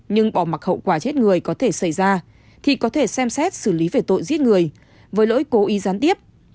nhưng bỏ mặc hậu quả chết người có thể xảy ra thì có thể xem xét xử lý về tội giết người với lỗi cố ý gián tiếp